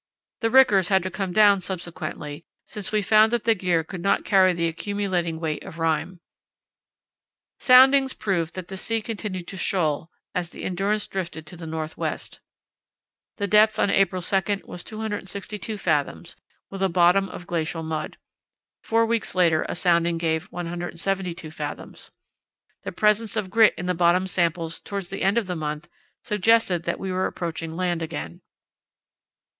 The rickers had to come down subsequently, since we found that the gear could not carry the accumulating weight of rime. Soundings proved that the sea continued to shoal as the Endurance drifted to the north west. The depth on April 2 was 262 fathoms, with a bottom of glacial mud. Four weeks later a sounding gave 172 fathoms. The presence of grit in the bottom samples towards the end of the month suggested that we were approaching land again.